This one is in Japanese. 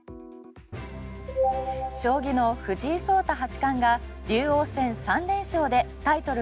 将棋の藤井聡太八冠が竜王戦３連勝でタイトル